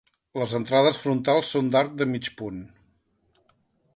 Les entrades frontals són d'arc de mig punt.